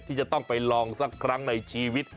ที่จะต้องไปลองสักครั้งในชีวิต